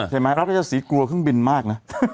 ใช่ไหมหลักได้นรักท่าศีลกลัวเครื่องบินมากนะ